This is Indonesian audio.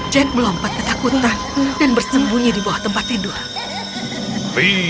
jack melompat ketakutan dan bersembunyi di bawah tempat tidur